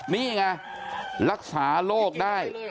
นี่ไงรักษาโรคได้